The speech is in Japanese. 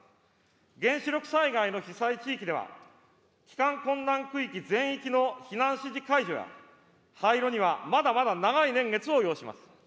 原子力災害の被災地域では、帰還困難区域全域の避難指示解除や廃炉にはまだまだ長い年月を要します。